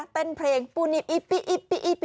เต้นเพลงปูนิปอิปอิปอิปอิปอิป